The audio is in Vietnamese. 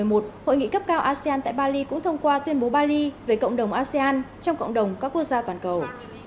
trước đó hội nghị cấp cao asean tại bali cũng thông qua tuyên bố bali về cộng đồng các quốc gia toàn cầu